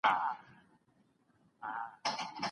هغه ماڼۍ چي موږ یې له ډاره ړنګوو، زړه ده.